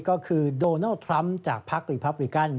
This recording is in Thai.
ก็คือโดนัลด์ทรัมป์จากพักรีพับริกัน